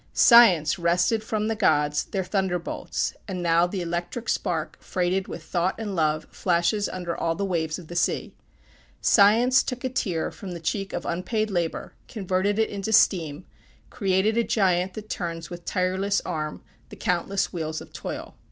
Science wrested from the gods their thunderbolts; and now the electric spark freighted with thought and love, flashes under all the waves of the sea. Science took a tear from the cheek of unpaid labor, converted it into steam, created a giant that turns with tireless arm, the countless wheels of toil.